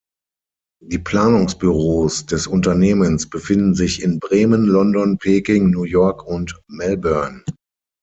Die Planungsbüros des Unternehmens befinden sich in Bremen, London, Peking, New York und Melbourne.